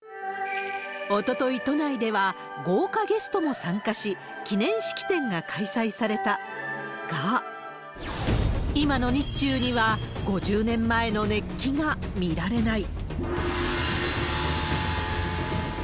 おととい、都内では豪華ゲストも参加し、記念式典が開催されたが、今の日中には５０年前の熱気が見られない。